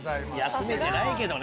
休めてないけど。